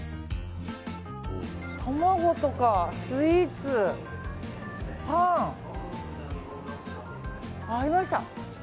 卵とかスイーツ、パン。ありました。